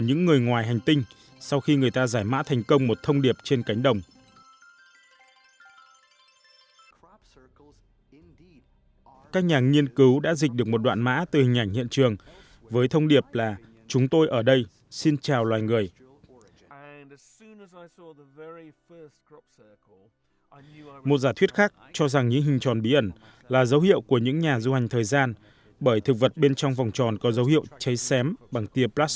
nhưng cũng có ý kiến rằng chúng được tạo ra từ tác động của thời tiết và từ trường